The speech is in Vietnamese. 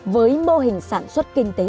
với mô hình sản xuất kinh tế